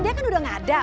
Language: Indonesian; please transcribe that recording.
dia kan udah nggak ada